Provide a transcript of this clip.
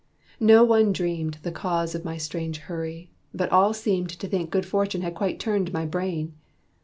No one dreamed The cause of my strange hurry, but all seemed To think good fortune had quite turned my brain.